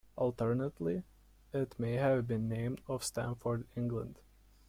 Alternately, it may have been named for Stamford, England.